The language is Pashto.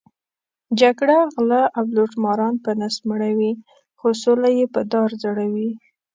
جګړه غله او لوټماران په نس مړوي، خو سوله یې په دار ځړوي.